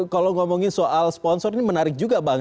kalau ngomongin soal sponsor ini menarik juga bang